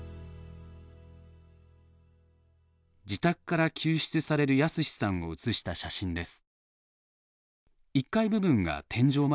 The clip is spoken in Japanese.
自宅から救出される靖さんを写した写真です。